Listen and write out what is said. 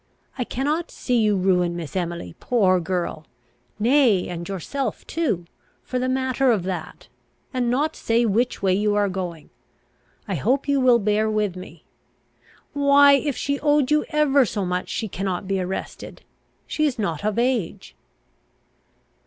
I cannot see you ruin Miss Emily, poor girl! nay, and yourself too, for the matter of that, and not say which way you are going. I hope you will bear with me. Why, if she owed you ever so much, she cannot be arrested. She is not of age."